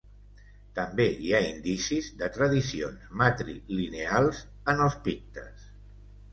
També hi ha indicis de tradicions matrilineals en els pictes.